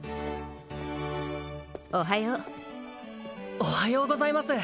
おはようおはようございます